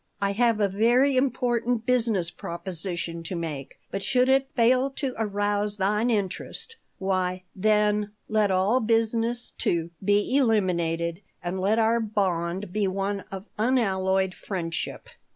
I have a very important business proposition to make, but should it fail to arouse thine interest, why, then, let all business, too, be eliminated, and let our bond be one of unalloyed friendship.